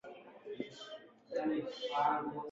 n’ubushake bwayo. “Ari ukurya, ari ukunywa,